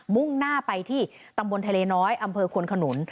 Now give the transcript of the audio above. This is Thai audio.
มุ่งหน้าไปที่ตำบลทะเลน้อยอำเภอควนขนุน